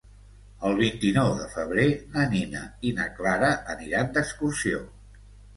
El vint-i-nou de febrer na Nina i na Clara aniran d'excursió.